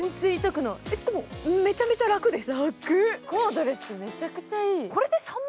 しかも、めちゃくちゃ楽です。